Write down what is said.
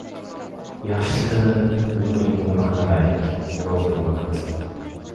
Yaxshisi, biz o‘zimizni maqtamaylik, birov bizni maqtasin.